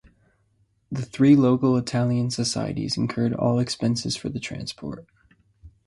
The three local Italian societies incurred all expenses for the transport.